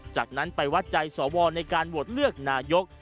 จากนั้นไปวัดใจสวในการโหวตเลือกนายก